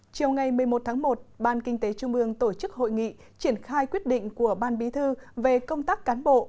chiều ngày một mươi một tháng một ban kinh tế trung ương tổ chức hội nghị triển khai quyết định của ban bí thư về công tác cán bộ